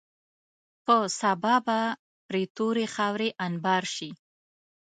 په سبا به پرې تورې خاورې انبار شي.